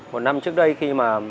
một năm trước đây khi mà